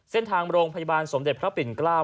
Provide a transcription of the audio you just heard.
เส้นทางโรงพยาบาลสมเด็จพระปิ่นเกล้า